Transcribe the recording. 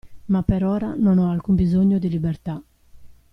Ma per ora non ho alcun bisogno di libertà.